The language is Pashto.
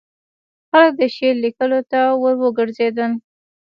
خلک د شعر لیکلو ته وروګرځېدل.